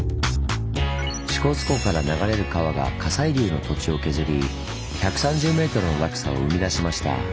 支笏湖から流れる川が火砕流の土地を削り１３０ｍの落差を生み出しました。